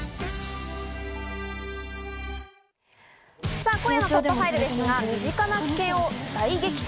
さぁ、今夜の『突破ファイル』ですが、身近な危険大撃退